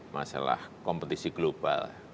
masalah kompetisi global